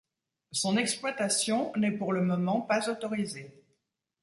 Son exploitation n'est, pour le moment, pas autorisée.